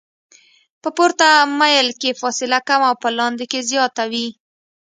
په پورته میل کې فاصله کمه او په لاندې کې زیاته وي